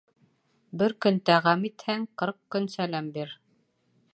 Бер көн тәғәм итһәң, ҡырҡ көн сәләм бир.